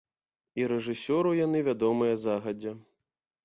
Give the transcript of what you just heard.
І рэжысёру яны вядомыя загадзя.